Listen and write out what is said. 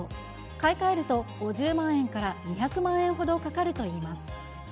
買い替えると５０万円から２００万円ほどかかるといいます。